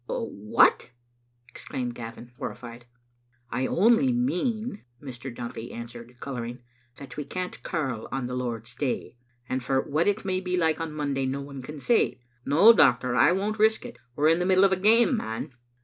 "A what?" exclaimed Gavin, horrified. "I only mean," Mr. Duthie answered, colouring, "that we can't curl on the Lord's day. As for what it may be like on Monday, no one can say. No, doctor, I won't risk it. We're in the middle of a game, man."